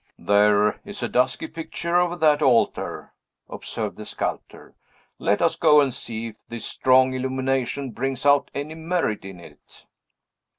"There is a dusky picture over that altar," observed the sculptor. "Let us go and see if this strong illumination brings out any merit in it."